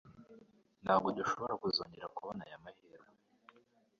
Ntabwo dushobora kuzongera kubona aya mahirwe.